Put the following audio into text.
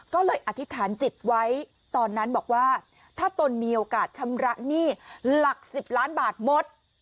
ก็เลยอธิษฐานจิตไว้ตอนนั้นบอกว่าถ้าตนมีโอกาสชำระหนี้หลัก๑๐ล้านบาทหมด